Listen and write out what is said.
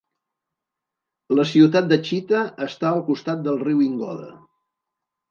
La ciutat de Chita està al costat del riu Ingoda.